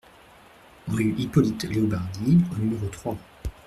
Rue Hippolyte Leobardy au numéro trois